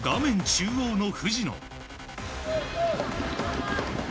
中央の藤野。